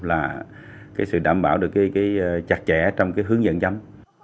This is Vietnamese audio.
là sự đảm bảo được chặt chẽ trong hướng dẫn chấm